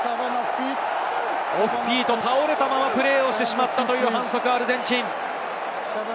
オフフィート、倒れたままプレーをしてしまったという反則のアルゼンチン。